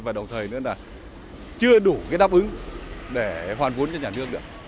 và đồng thời nữa là chưa đủ cái đáp ứng để hoàn vốn cho nhà nước được